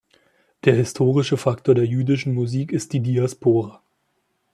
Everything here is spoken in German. Der historische Faktor der jüdischen Musik ist die Diaspora.